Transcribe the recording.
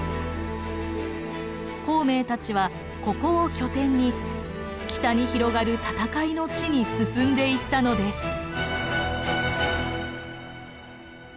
孔明たちはここを拠点に北に広がる戦いの地に進んでいったのです。